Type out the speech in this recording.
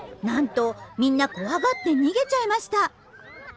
なんとみんな怖がって逃げちゃいました。